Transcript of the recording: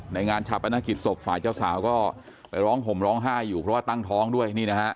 ในงานชาวประนักกิจศพฝ่ายเจ้าสาวก็ไปร้องผมร้องไห้อยู่เพราะว่าตั้งท้องด้วย